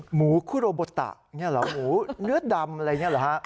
หมูคุโรโบตะเนื้อดำอะไรอย่างนี้เหรอ